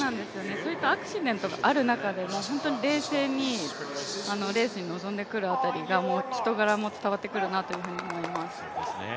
そういったアクシデントがある中でも、冷静にレースに臨んでくる辺りが、人柄も伝わってくるなと思います。